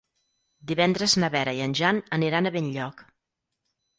Divendres na Vera i en Jan aniran a Benlloc.